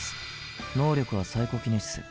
能力はサイコキネシス。